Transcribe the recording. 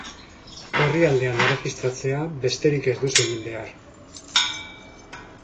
Orrialdean erregistratzea besterik ez duzu egin behar.